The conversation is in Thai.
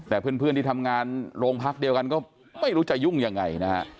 แต่เพื่อนที่ทำงานโรงพักเดียวกันก็ไม่รู้จะยุ่งยังไงนะฮะ